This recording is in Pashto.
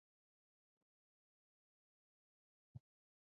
ته لږ سوچ وکړه!